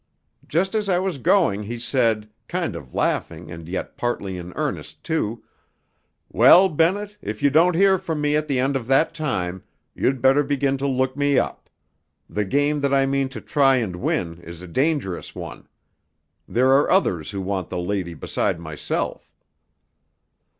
Just as I was going he said, kind of laughing and yet partly in earnest too, 'Well, Bennett, if you don't hear from me at the end of that time, you'd better begin to look me up. The game that I mean to try and win is a dangerous one. There are others who want the lady beside myself.'